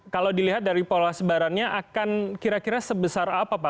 kalau dilihat dari pola sebarannya akan kira kira sebesar apa pak